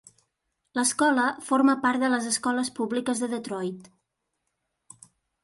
L'escola forma part de les Escoles Públiques de Detroit.